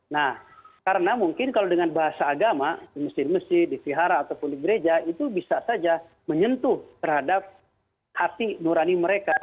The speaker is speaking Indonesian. nah karena mungkin kalau dengan bahasa agama di masjid masjid di vihara ataupun di gereja itu bisa saja menyentuh terhadap hati nurani mereka